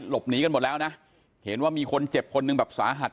หลบหนีกันหมดแล้วนะเห็นว่ามีคนเจ็บคนหนึ่งแบบสาหัส